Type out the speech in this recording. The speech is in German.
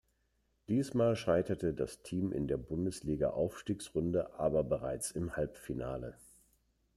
Diesmal scheiterte das Team in der Bundesliga-Aufstiegsrunde aber bereits im Halbfinale.